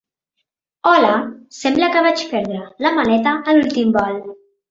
Hola, sembla que vaig perdre la maleta a l'últim vol.